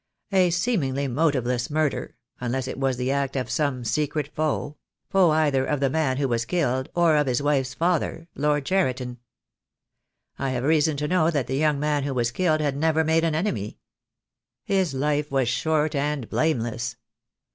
"A seemingly motiveless murder; unless it was the act of some secret foe — foe either of the man who was killed — or of his wife's father, Lord Cheriton. I have reason to know that the young man who was killed had never made an enemy. His life was short and blame less.